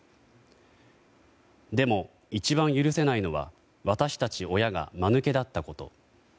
でも、一番許せないのは私たち親が、まぬけだったこと。